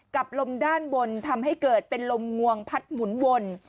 กับลมด้านบนทำให้เกิดเป็นลมงวงพัดหมุนวน